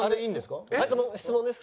質問ですか？